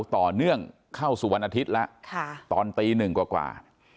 ต่อเนื่องเข้าสู่วันอาทิตย์แล้วตอนตีหนึ่งกว่า